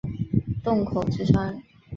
洞口之窗